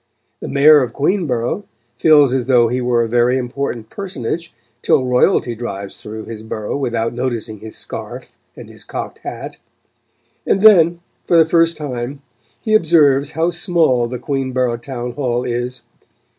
The Mayor of Queenborough feels as though he were a very important personage till Royalty drives through his borough without noticing his scarf and his cocked hat; and then, for the first time, he observes how small the Queenborough town hall is.